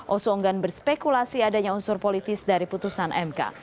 oso enggan berspekulasi adanya unsur politis dari putusan mk